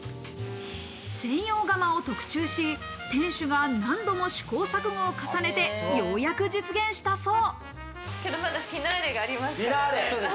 専用窯を特注し、店主が何度も試行錯誤を重ねて、ようやく実現したそう。